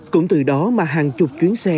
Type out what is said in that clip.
cũng từ đó mà hàng chục chuyến xe